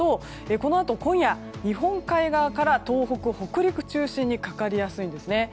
このあと今夜日本海側から東北、北陸中心にかかりやすいんですね。